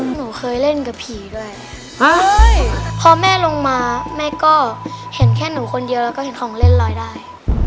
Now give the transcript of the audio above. หนูเคยเล่นกับผีด้วยพอแม่ลงมาแม่ก็เห็นแค่หนูคนเยอะแล้วก็เห็นของเล่นลอยได้